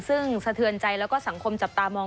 ซึ่งสะเทือนใจแล้วก็สังคมจับตามอง